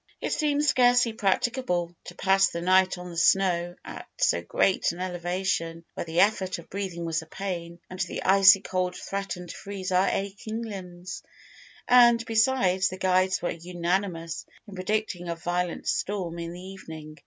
"It seemed scarcely practicable to pass the night on the snow at so great an elevation, where the effort of breathing was a pain, and the icy cold threatened to freeze our aching limbs, and, besides, the guides were unanimous in predicting a violent storm in the evening.